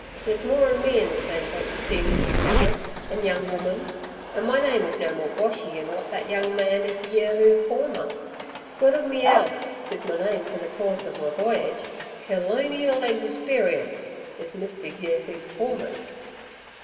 There's more'n me in ther same boat, yer see, Mr. Cameron an' young woman; an' my name is no more Boshy 'n w'at thet young man is Yerhoo Pormer. "Good ov me 'Ealth" 's my name fer ther cause ov my voy'ge. "Kerlonial Egsperience" is Mr. Yerhoo Pormer's.'